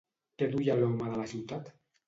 Què duia l'home de la ciutat?